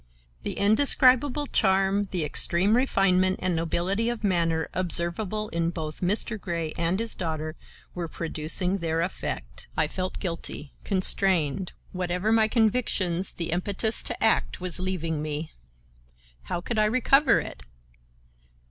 The indescribable charm, the extreme refinement and nobility of manner observable in both Mr. Grey and his daughter were producing their effect. I felt guilty; constrained. whatever my convictions, the impetus to act was leaving me. How could I recover it?